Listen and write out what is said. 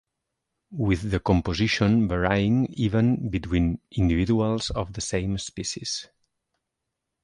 With the composition varying even between individuals of the same species.